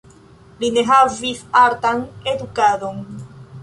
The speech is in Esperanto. Li ne havis artan edukadon.